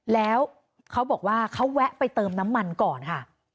แล้วเขาบอกว่าเขาแวะไปเติมน้ำมันก่อนค่ะ